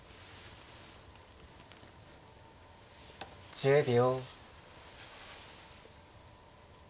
１０秒。